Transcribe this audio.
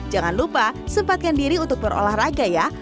jangan lupa sempatkan diri untuk berolahraga ya